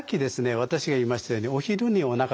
私が言いましたようにお昼におなかがすくよと。